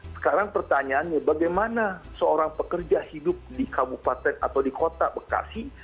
sekarang pertanyaannya bagaimana seorang pekerja hidup di kabupaten atau di kota bekasi